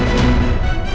nih ga ada apa apa